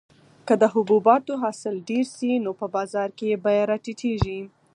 که د حبوباتو حاصل ډېر شي نو په بازار کې یې بیه راټیټیږي.